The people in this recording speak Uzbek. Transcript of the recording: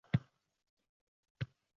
O'zini himoya qilish.